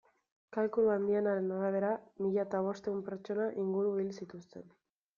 Kalkulu handienaren arabera, mila eta bostehun pertsona inguru hil zituzten.